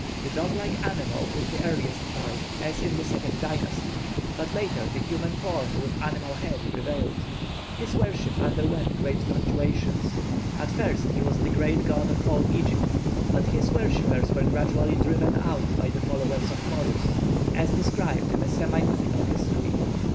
The dog like animal is the earliest type, as in the second dynasty; but later the human form with animal head prevailed. His worship underwent great fluctuations. At first he was the great god of all Egypt; but his worshippers were gradually driven out by the followers of Horus, as described in a semi mythical history.